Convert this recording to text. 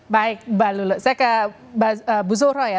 baik mbak lulu saya ke bu zuhro ya